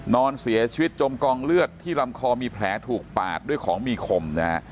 นอนเสียชีวิตจมกองเลือดที่ลำคอมีแผลถูกปาดด้วยของมีคมนะฮะ